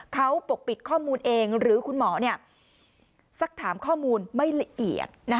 เขาปกปิดข้อมูลเองหรือคุณหมอสักถามข้อมูลไม่ละเอียด